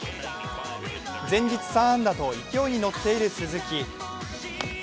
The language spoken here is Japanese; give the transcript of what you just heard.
前日３安打と勢いに乗っている鈴木。